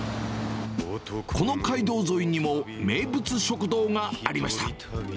この街道沿いにも名物食堂がありました。